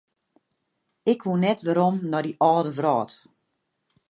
Ik woe net werom nei dy âlde wrâld.